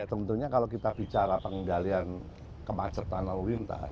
tentunya kalau kita bicara pengendalian kemacetan lalu lintas